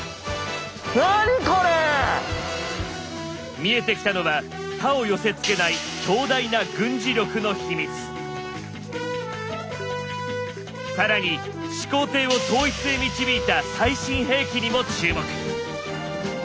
見えてきたのは他を寄せつけない強大な更に始皇帝を統一へ導いた「最新兵器」にも注目！